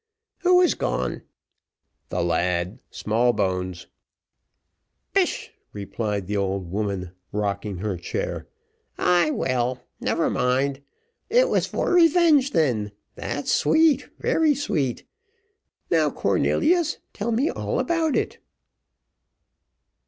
"Who is gone?" "The lad, Smallbones." "Pish," replied the old woman, rocking her chair. "Ay, well, never mind it was for revenge, then that's sweet very sweet. Now, Cornelius, tell me all about it."